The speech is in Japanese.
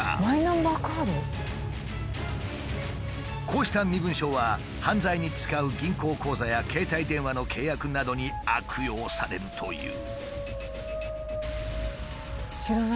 こうした身分証は犯罪に使う銀行口座や携帯電話の契約などに悪用されるという。